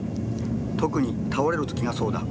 特に倒れる時がそうだ。